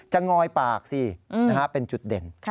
งอยปากสิเป็นจุดเด่น